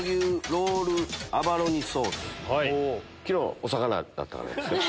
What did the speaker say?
昨日お魚やったからです。